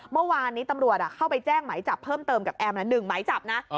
เมื่อวานนี้ตำรวจเข้าไปแจ้งไหมจับเพิ่มเติมกับแอม๑หมายจับนะ